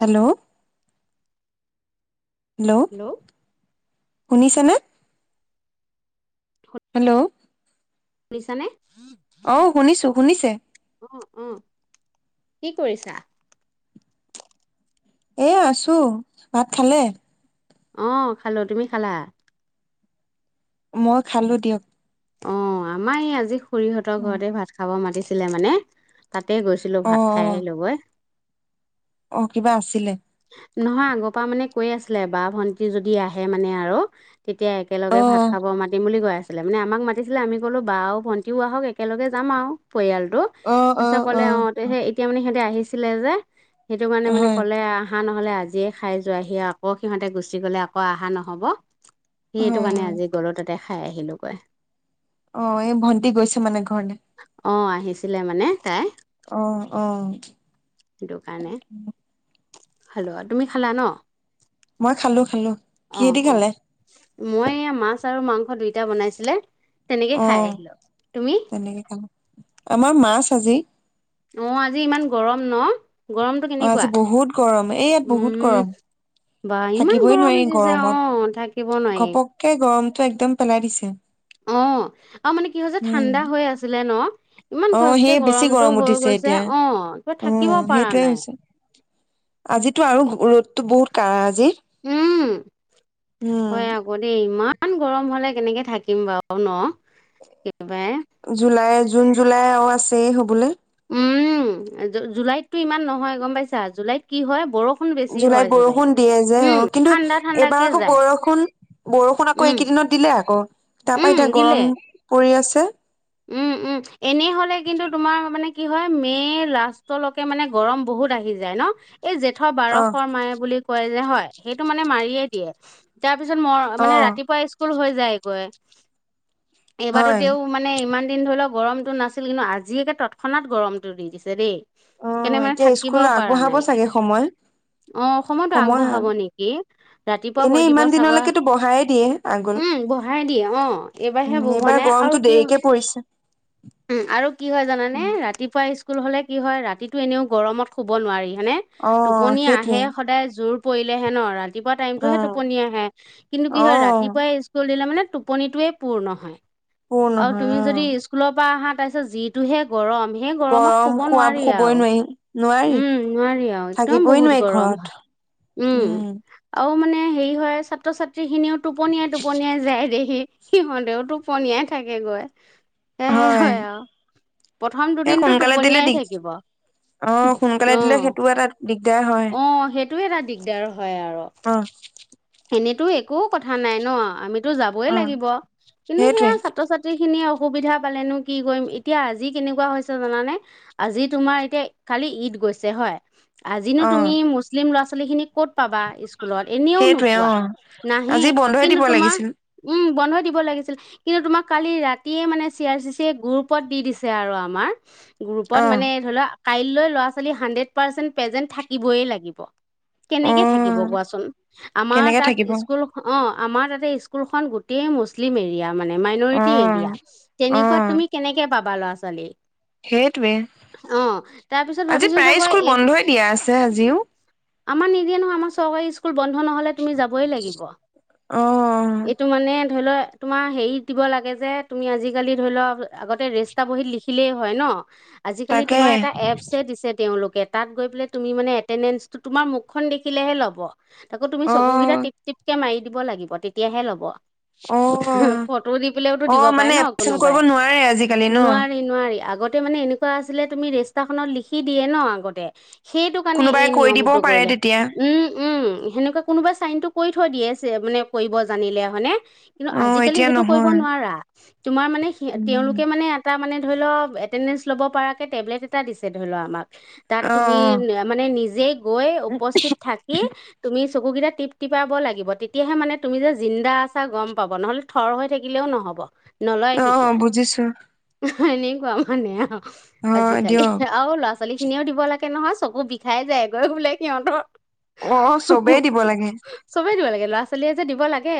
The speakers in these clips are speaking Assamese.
হেল্ল হেল্ল, শুনিছেনে? হেল্ল শুনিছানে? অ', শুনিছো, শুনিছে? অ', অ', কি কৰিছা? এ, আছো ভাত খালে? অ', খালোঁ। তুমি খালা? মই খালোঁ দিয়ক। অ', আমাৰ এই আজি খুৰীহঁতৰ ঘৰতে ভাত খাব মাতি ছিলে মানে তাতে গৈছিলো, অ অ ভাত খাই আহিলোঁগৈ। অ', কিবা আছিলে? নহয় আগৰ পৰা মানে কৈ আছিলে বা, ভন্টি যদি আহে মানে আৰু তেতিয়া অ একেলগে ভাত খাব মাতিম বুলি কৈ আছ ছিলে মানে আমাক মাতিছিলে। আমি কলো বাওঁ ভণ্টিও আহক। একেলগে যাম আৰু। পৰিয়ালটো অ অ পিছত ক'লে অ, তেহে এতিয়া মানে সিহতে আহিছ ছিলে যে। সেইটো মানে-মানে হয় ক'লে আহ। আহহা নহলে আজিয়ে খাই যোৱ আহি আকৌ সিহঁতে গুচি গলে আকৌ আহহা নহব সেইটো হয় কাৰণে হয় আজি ঘলৰত তাতে খাই আহিলোগৈ অ এই ভণ্টি গৈছো মানে ঘৰলে অঁ আহিছিলে মানে তাই আহ আহ হেল্ল' তুমি খালা ন মই খালো খালো কি অ হেদি অ খালে মই এয়া মাছ আৰু মাংস দুইটা বনাইছিলে তেনেকে অ খাই আহিলো তুমি তেনেকে খালো আমাৰ মাছ আজি অ আজি ইমান গৰম ন গৰমটো অ কেনেকুৱা আজি বহুত গৰম এই ইয়াত বহুত উম গৰম বা ইমান থাকিবই গৰম নোৱাৰি দিছে গৰমত আহ থাকিব নোৱাৰি টো একদম পেলাই দিছে আহ আৰু মানে কি হৈছে উম ঠাণ্ডা হৈ আছিলে ন অ ইমান সেই খচকে বেছি গৰমটো গৰম হৈ উঠিছে গৈছে এতিয়া আহ কিবা উম থাকিব পৰা সেইটোয়ে নাই হৈছে আজিতো আৰু ৰ'দতো বহুত কাজ উম উম হয় আকৌ দেই ইমমান ইমান গৰম হলে কেনেকে থাকিম বাৰু ন একেবাৰে জুলাই জুন জুলাই আৰু আছেই হ'বলৈ উম জুলাইতো ইমান নহয় গম পাইছা জুলাইত কি হয় বৰষুণ বেছি হয় জুলাইত বৰষুণ দিয়ে যে অ উম কিন্তু ঠাণ্ডা ঠাণ্ডাকে এইবাৰ আকৌ যায় বৰষুণ বৰষুণ আকৌ উম এইকেইদিনত দিলে আকৌ তাৰ পৰা উম এতিয়া দিলে গৰম পৰি আছে ত উম উম এনেই হলে কিন্তু তোমাৰ মানে কি হয় মে' লাষ্টলৈকে মানে গৰম বহুত আহি যায় ন এই জেঠ অ বাৰসৰ মায়ে বুলি কয় যে হয় সেইটো মানে মাৰিয়ে দিয়ে তাক তাৰ পিছত মই অ মানে ৰাতিপুৱা স্কুল হৈ যায়। যাই গৈয়ে এইবাৰ হয় তেওঁও মানে ধৰি লওক গৰমটো নাছিলে ন আজিয়েকে তৎক্ষণাত গৰমটো দি দিছে দেই অ কেনে মানে এতিয়া থাকিব স্কুল পৰা আগবঢ়াব নাই চাগে সময় অ অসমতো সময় আগবঢ়াব নেকি ৰাতিপুৱা কৈ এনেই দিব ইমান ছাগৰ দিনলৈকেতো বঢ়ায়ে দিয়ে আগল উম বহাই দিয়ে অঁ এইবাৰহে উম বুক হোৱা এইবাৰ নাই আৰু গৰমটো কিয়? দেৰিকে পৰিছে উম আৰু কি হয় জানানে ৰাতিপুৱাই স্কুল স্কুল হ'লে কি হয় ৰাতিতটো এনেও গৰমত শুব নোৱাৰি। হয়নে অ টোপনি আহে সেইটোৱে সদায় জোৰ পঢ়িলেহেন ৰাতিটো ৰাতিপুৱা টাইমটোহে উম টোপনি আহে কিন্তু কি হয় অ', ৰাতিপুৱাই স্কুল দিলে মানে টোপনিটোৱে পূৰ্ণ হয়। পুৰ আৰু নহয় তুমি যদি অ', স্কুলৰ পৰা আহাত তাইৰ ওচৰত যিটোহে গৰম সেই গৰমত গৰম শুব খোৱা নোৱাৰি শুবই আৰু নোৱাৰি নোৱাৰি উম নোৱাৰি আৰু একদম থাকিবই বহুত নোৱাৰি গৰম ঘৰত হয় উম আৰু মানে এ হেৰি হয় ছাত্ৰ ছাত্ৰী স্ৰী খিনিও টোপনিয়াই টোপনিয়াই যায় দেহি সিহঁতেওতো টোপনিয়াই থাকে। সিয়ে গৈয়ে হয় প্ৰথম এ দুদিনটো সোনকালে দিলে টোপনিয়াই দি থাকিব অ সোনকালে অ দিলে সেইটো এটা দিগদাৰ হয়। তোৰ এটা দিগদাৰ হয়। হয় আৰু অ', [inaudible] এনেতো একোও কথা নাই ন আমিত তোৰ যাবই অ'। লাগিব কিন্তু সেইটোৱে সেয়া ছাত্ৰ ছাত্ৰী খিনি অসুবিধা পালেনো কি কৰিম এতিয়া আজি কেনেকুৱা হৈছে জনানে আজি তোমাৰ এতিয়া খালি ঈদ গৈছে হয়। আজিনো অ', তুমি মুছলিম ল'ৰা ছোৱালী ফুলিখিনিত ক'ত পাবা স্কুলত এনেও নু। সেইটোৱে পোৱা অ', নাহে আজি বন্ধই কিন্তু দিব তোমাৰ লাগিছিল উম বন্ধই দিব লাগিছিল কিন্তু তোমাক কালি ৰাতিয়ে মানে চি আৰ চি চি গ্ৰুপত দি দিছে আৰু আমাৰ গ্ৰুপত অ'। মানে ধৰিলোৱা কাইলৈ ল'ৰা ছোৱালী হাণ্ড্ৰেড পাৰ্চেণ্ট প্ৰেজেণ্ট থাকিবই লাগিব। অ', কেনেকে থাকিব কোৱাচোন? আমাৰ কেনেকে থাকিব তাত স্কুল অ অ আমাৰ তাতে স্কুলখন গোটেই মুছলিম এৰিয়া মাইনৰিকী অ', এৰিয়া তেনেকোৱাত অ', তুমি কেনেক পাবা ভাল আছালে সেইটোৱে তাৰপিছত আজি ভাবিছো প্ৰায় চাগৈ স্কুল এই বন্ধই দিয়া আছে আজিও আমাৰ নিদিয়ে নহয় আম চৰকাৰী স্কুল বন্ধ ন তি যাবই লাগব অ', এইটো মানে ধৰি লও তোমাৰ হেৰি দিব লাগে যে তুমি আজিকালি ধৰি লও আগতে ৰেষ্টা বহীত লিখিলেই হয় ন আজিকালি তাকে তোমাৰ এটা এপচ দিছে তেওঁলোক াত গৈ প তমি ম এমাৰ মুখখন দেখিলেহে ল'ব [unintelligible] চগুকেই অ', টপ তিপক মাৰ দিব লাগিব তেতিয়াহে ল'ব অ'। ফটো দি পেলাইওতো অ দিব পাই মানে ন এপচেণ্ট কোনোবাই কৰিব নোৱাৰে আজিকালি ন নোৱাৰি নোৱাৰি আগতে তে মানে এনেকুৱা আছিলে তুমি ৰেষ্টা খখনত লিখি দিয়ে ন আগতে সেইটো কাৰণে কোনোবাই এই কৈ দিবও নিয়মটো পাৰে কৰিলে তেতিয়া উম উম সেনে কোনোবা ছাইনটো কৰি থৈ দিয়েছে মানে কৰিব জানিলে। হয় নে? কিন্তু অ আজিকালি এতিয়া সেইটো কৰিব নহয় নোৱাৰা তোমাৰ মানে স উম তেওঁলোকে মানে এটা মানে ধৰি লও এটেণ্ডেন্ঞ্চ ল'ব পৰাকৈ টেবলেট এটা দিছে ধৰি লও আমাক তাত অ তুমি মানে নিজে গৈ উপস্থিত থাকি তুমি চকুকেইটা টিপ তিপাব লাগিব তেতিয়াহে মানে তুমি যে জিন্দা আছা গম পাব নহলে থৰ হৈ থাকিলেও নহব নলয় অ তেতিয়া বুজিছো এনেকুৱা মানে হয় আজিকালি দিয়ক আৰু ল'ৰা ছোৱালী খিনিও দিব লাগে তাকে নহয় চকু বিষাই যায়গৈ বোলে সিহঁতৰ অ চবেই দিব লাগে [unintelligible] চবেই দিব লাগে ল'ৰা ছোৱালীয়ে যে দিব লাগে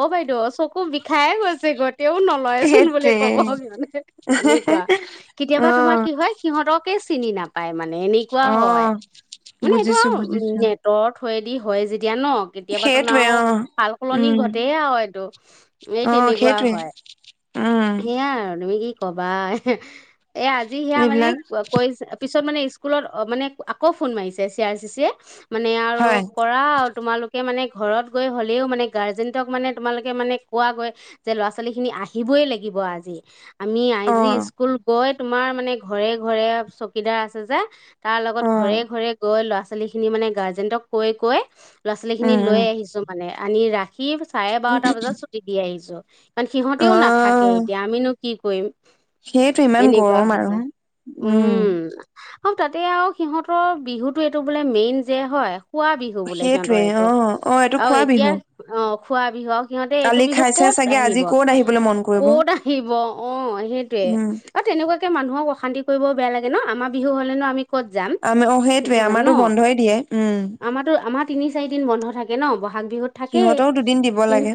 অ বাইদেউ চকু বিষাই গৈছে গৈ তেও নলয়চোন বুলি সেইটোৱে কব কহানে এনেকুৱা কেতিয়াবা অ তোমাৰ কি হয় সিহঁতকে চিনি নাপায় মানে এনেকুৱা অ হয়, মানে এইটো বুজিছো আৰু উ, বুজিছো নেটৰ দি হয়, যি এতিয়া ন, কেতিয়াবাতো সেইটোৱে নাও অ সাল সলনি উম ঘটেই আৰু এইটো এই অ তেনেকুৱা সেইটোৱে হয়, উম সেইয়াই আৰু তুমি কি কবা এয়া আজি সিয়া মানে এইবিলাক কৈ-পিছত মানে ইচ স্কুলত অ', মানে আকৌ ফোন মাৰিছে চি আৰ চি চি মানে আৰু হয় কৰা তোকে মানে ঘৰত গৈ হ'লেও মানে গাৰ্জেনটক মানে তোমালোকে মানে কোৱা গৈ যে, ল'ৰা ছোৱালী খিনি আহিবই লাগিব আজি আমি অ আইজি স্কুল গৈ তোমাৰ মানে ঘৰে, ঘৰে চকীদাৰ আছে যে তাৰ লগত অ ঘৰে, ঘৰে গৈ ল'ৰা ছোৱালী খিনি মানে গাৰ্জেনটক কৈ, কৈ ল'ৰা ছোৱালী খিনি উম লৈ উম আহিছো মানে আনি ৰা সি চাৰে বাৰটা বজাত ছুটি দি আহিছোঁ। কাৰণ সিহঁতেও নাথাকে এতিয়া আমিনো কি কৰিম? সেইটোৱে ইমান এনেকুৱা গৰম আৰু হৈছে উম। তাতে আৰু সিহঁতৰ বিহুতো এইটো বোলে মেইন যে, হয়, সুৱা বি সেইটোৱে অ', অ', এইটো খোৱা এতিয়া বিহু অ খোৱা বিহু সিহঁতে এইটো কালি বিহুত খাইছে ক'ত চাগে আজি আহিব, ক'ত আহিবলৈ মন কৰিব ক'ত আহিব অ', সেইটোয়ে উম আৰু তেনেকুৱা মানুহক অশান্তি কৰিব বয়া লাগে ন আমাৰ বিহু হ'লেনো আমি ক'ত যাম আমি অ', সেইটো সেইটোৱে গান ন আমাৰো বন্ধই দিয়ে, উম। আমাৰতো আমাৰ তিনি, চাৰি দিন বন্ধ থাকে ন? ব ব'হাগ বিহুত থাকেই সিহঁতেও দুদিন দিব কিন্তু লাগে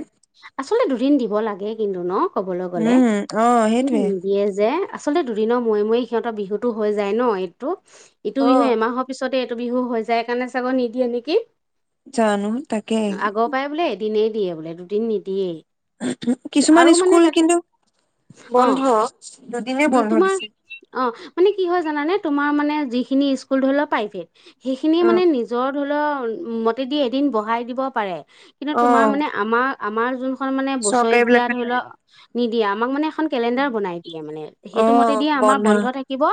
আচলতে দুদিন দিব লাগে কিন্তু ন? কবলৈ গ'লে উম অ কিন্তু সেইটোৱে নিদিয়ে যে আচলতে দুদিনৰ মোয়ে, মোয়ে সিহঁতৰ বিহুটো হৈ যায় ন এইটো ইটো বিহু এমাহৰ পিছত এইটো বিহু হৈ যায়, কাৰণে চাগৈ নিদিয়ে নেকি? জানো তাকে দিনেই দিয়ে বোলে দুদিন নিদিয়েই কিছুমান আৰু মানে ইস্কুল তাতে কিন্তু অ বন্ধ দুদিনে বন্ধ দিছিল। জানে তোমাৰ মানে যিখিনি স্কুল ধৰি লওোৱা প্ৰাইভেট সেইখিনিয়ে উম মানে নিজৰ তলন মতেদি এদিন বঢ়াই দিব পাৰে কিন্তু অ তোমাৰ মানে আমাৰ আমাৰ যোন খন মানে চৰকাৰী বছৰেকীয়া বিলাক ধৰি লওক নিদিয়া আমাক মানে খন কেলেণ্ডাৰ বনাই দিয়ে মানে অ সেইটো মতে দিয়ে আমাৰ বন্ধ থাকিব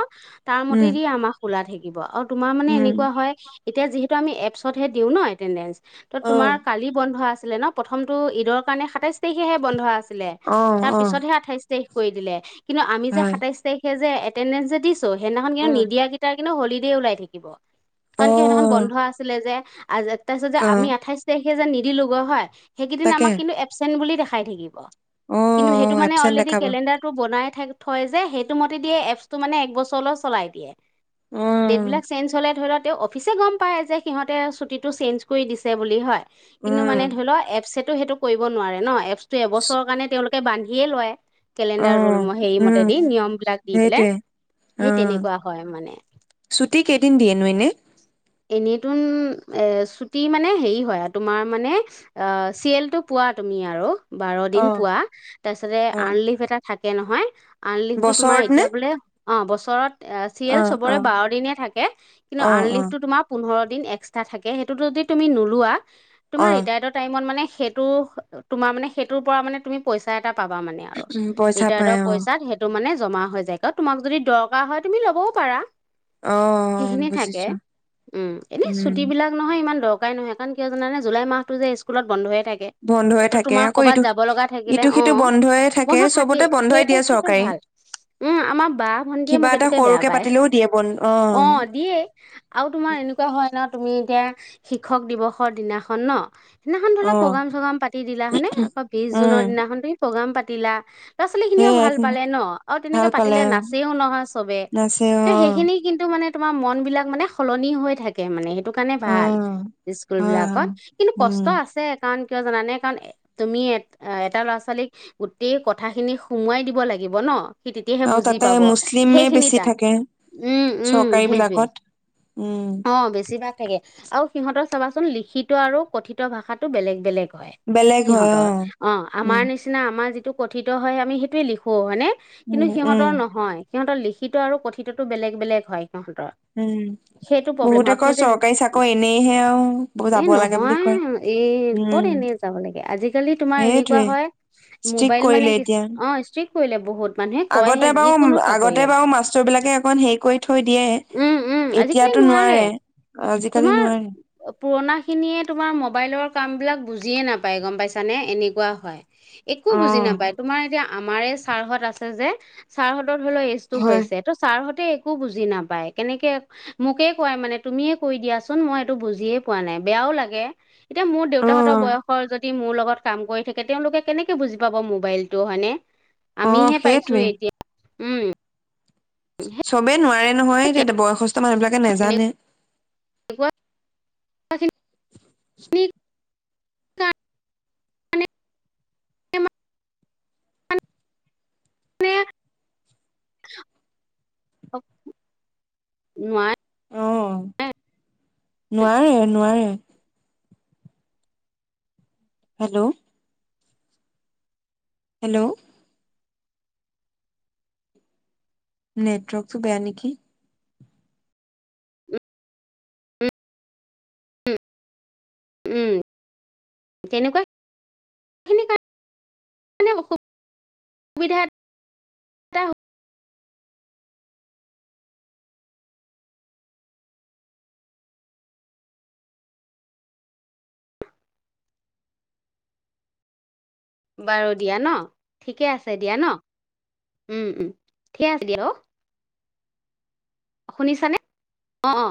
তাৰ উম মতেদিিয়ে আমাৰ খোলা থাকিব কিব আৰু তোমাৰ মানে উম এনেকুৱা হয় এতিয়া যিহেতু আমি এপছত ে দিওঁ ন এটেণ্ডেন্ঞ্চ ত অ তোমাৰ কালি বন্ধ আছে আছিলে ন প্ৰথমটো ঈদৰ কাৰণে সাতাইছ তাৰিখেহে বন্ধ আছে ছিলে অ তাৰ অ পিছতহে আঠাইছ তাৰিখ কৈ দিলে কিন্তু আমি যে হয় সাতাইছ তাৰিখে দি সদিনাখন কিয় উম নিদিয়াকেইটটা কিন্তু হলিডে ওলাই থাকিব অ কাৰণ কি সিঁতখন বন্ধ আছিলে যে আজ তাৰিছত অ আমি আঠাইছ তাৰিখ সেই যেন নিদিলোগৈ হয় সেইকেইিন তাকে আমাক কিন্তু এবচেট বুলি দেখে খাই থাকিব অ অ কিন্তু সেইটো মানে এবচেণ্ট অলৰেডি দেখাব কেলেণ্ডাৰতটো বনাই থাক থয় যে সেইটো মতে দিয়ে এপছটো মানে একবছৰলৈ চলাই দিয়ে ডেট উম, বিলাক চেঞ্জ হলে ধৰি ল তেওঁ অফিচে গম পায় যে সিহঁত তে ছুটী টো চেঞ্জ কৰি দিছে বুলি হয় কিন্তু উম, মানে ধৰি লও এবচট টো সেইটো কৰিব নোৱাৰে ন এফ এবছৰ কাৰণ তেওঁোক তে বান্ধিয়ে লয় কেলেণ্ডাৰ ৰোল অ', হেৰি মতে উম, দি উম। নিয়ম বিলাক দি পেলাই সেইটোৱে সেই অ', তেনেকুৱা হয় মানে ছুটি কেইদিন [unintelligible] এনেইতোন এ ছুটি মানে হেৰি হয় আৰু তোমাৰ মানে চিেলটো পোৱা তুমি আৰু বাৰ দিন অ', পোৱা তাৰপিছতে অ', আনলিভ এটা থাকে নহয় আনলিখটো তোমাৰ বছৰত নে? এতিয়া বোলে অ বছৰত চিৰিয়েল অ', চবৰে অ', বাৰদিনে থাকে কিন্তু অ', আনলিফ্ট অ', তোমাৰ পোন্ধৰ দিন এক্সট্ৰা থাকে সেইটো যদি তুমি নোলোৱা তোমাৰ অ', ৰিটায়াৰ্ডৰ টাইমত মানে সেইটো তোমাৰ মানে সেইটোৰ পৰা মানে তুমি পইচা এটা পাবা মানে আৰু উম, পইচা পাই ৰিটায়াৰৰ অ', পইচাত সেইটো মানে জমা হৈ যায় ক তোমাক যদি দৰকাৰ হয় তুমি ল'বও পাৰা অ সেইখিনি থাকে বুজিছো উম এনে উম, ছুটী বিলাক নহয় ইমান দৰ নাপাই নহয় কাৰণ কিয় জানে জুলাই মাহটো যে স্কুলত বন্ধেয়ে থাকে বন্ধই ত থাকে তোমাৰ আকৌ কৰবাত ইটো যাব লগা থাকিলে ইটো অ সিটো বন্ধয়ে থাকে বন্ধু চবতে থাকেই বন্ধই সেইটো দিয়ে ক্ষেত্ৰত চৰকাৰে। ভাল উম আমাৰ বা ভন্টিয়ে কিবা মোক এটা এইটোকে বেয়া সৰুকে পায় পাতিলেও দিয়ে বন্ধ অ দিয়েই আৰু তোমাৰ এনেকোৱা হয় ন তুমি এতিয়া শিক্ষক দিৱসৰ দিনাখন ন সদিনাখন ধৰি লক অ', প্ৰগ্ৰাম চগ্ৰাম পাতি দিলা হয়নে আকৌ বিশ বি জুনৰ উম, দিনাখন তুমি প্ৰগাম পাতি দিলা ল'ৰা ছোৱালী খিনিও সেইয়াই ভাল পালে ন আৰু ভাল তেনেকে পালে পাতিলে অ', নাচিও নহয় চবে নাচে তে অ', সেইখিনি কিন্তু মানে তোমাৰ মনবিলাক মানে সলনি হৈ থাকে মানে সেইটো সেইটো কাৰণে অ', ভাল স্কুল হয়, বিলাকত হয়, কিন্তু উম। কষ্ট আছে কাৰণ কিয় জানানে কাৰণ তুমি এটা ল'ৰা ছোৱালীক গোটেই কথাখিনি সোমোৱাই দিব লাগিব ন সি তেতিয়াহে আৰু বুজি তাতে পাব মুছলিমে সেইখিনি বেছি টান থাকে উম উম চৰকাৰী সেইটোৱে বিলাকত উম অ বেছি ভাগ থাকে আৰু সিহঁতৰ চাবাচোন লিখিত আৰু কথিত ভাষাটো বেলেগ বেলেগ বেলেগ হয় সিহতৰ অ উম আমাৰ নিচিনা আমাৰ যি টো কঠিত হয় আমি সেইটোয়ে লিখোও হয়নে উম কিন্তু উম সিহঁতৰ নহয় সিহঁতৰ লিখিত আৰু কথিততো বেলেগ, বেলেগ হয়, সিহঁতৰ উম সেইটো প্ৰব্লেম বহুতে হয়, কয় সিহঁতে চৰকাৰী চাকৰি এনেইহে আৰু এ, যাব লাগে বুলি নহয় কয় এই ক'ত উম এনে যাব লাগে আজিকালি তোমাৰ এনেকুৱা সেইটোৱে হয়, ষ্ট্ৰিক মোবাইল মানে কৰিলে কি এতিয়া অ', ষ্ট্ৰিক কৰিলে বহুত মানুহে কয়হে আগতে বাৰু, যিকোনো চাকৰিয়ে আগতে বাৰু মাষ্টৰ বিলাকে অকন হেৰি কৰি থৈ দিয়ে। উম, উম, আজিকালি নোৱাৰে আজিকালি তোমাৰ নোৱাৰে পুৰণা খিনিয়ে তোমাৰ মোবাইলৰ কাম বিলাক বুজিয়ে নাপায় গম পাইছানে? এনেকুৱা হয়। একো অ বুজি নাপায়, তোমাৰ এতিয়া আমাৰ ছাৰহঁত আছে যে, ছাৰহঁত ধৰি লওঁ এইজটো হয় হৈছে ত' ছাৰহঁত তে একো বুজি নাপায়। কেনেকে মোকে কোৱাই মানে তুমিয়ে কৈ দিয়াচোন মই এইটো বুজিয়ে পোৱা নাই বেয়াও লাগে, এতিয়া মোৰ অ দেউতাহঁতৰ বয়সৰ যদি মোৰ লগত কাম কৰি থাকে তেওঁলোকে কেনেকে বুজি পাব মোবাইলটো হয়নে? অ আমিহে পাইছো সেইটোৱে এতিয়া উম। চবেই নোৱাৰে নহয়, সেই এতিয়া বয়স মানুহবিলাকে তেনেকুৱা নেজানে [unintelligible] [unintelligible] খিনি [inaudible] [inaudible] অ'। [inaudible] অ', নোৱাৰে, নোৱাৰে। হেল্ল'! হেল্ল'! নেটৱৰ্কটো বেয়া নেকি? উম। তেনেকুৱাই, এনেকে অসু, বিধাত বাৰু দিয়া ন! ঠিকে আছে দিয়া ন! উম, উম। ঠিকে আছে দিয়া, অ'। শুনিছানে? অ, অ'।